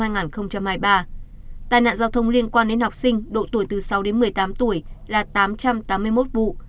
năm hai nghìn hai mươi ba tai nạn giao thông liên quan đến học sinh độ tuổi từ sáu đến một mươi tám tuổi là tám trăm tám mươi một vụ